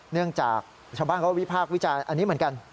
เนื่องจากชาวบ้านเขาวิพากษ์วิจารณ์อันนี้เหมือนกัน